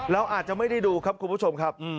เราอาจจะไม่ได้ดูครับคุณผู้ชมครับ